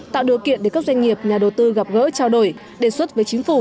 tạo điều kiện để các doanh nghiệp nhà đầu tư gặp gỡ trao đổi đề xuất với chính phủ